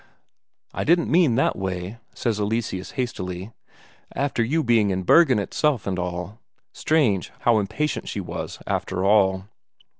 "I didn't mean that way," says Eleseus hastily. "After you being in Bergen itself and all." Strange, how impatient she was, after all!